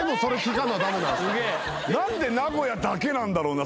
なんで名古屋だけなんだろうな？